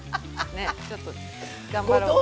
ちょっと頑張ろうと。